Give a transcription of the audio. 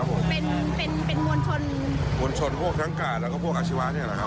เป็นมวลชนมวลชนพวกทั้งกาแล้วก็พวกอาชีวาที่นี่แหละครับ